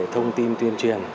thông tin tuyên truyền